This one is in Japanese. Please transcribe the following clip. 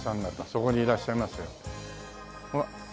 そこにいらっしゃいますよ。